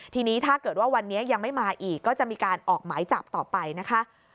ทีนี้ถ้าเกิดว่าวันนี้ยังไม่มาอีกก็จะมีการออกหมายจับต่อไปนะคะ